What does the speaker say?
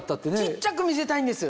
小っちゃく見せたいんです！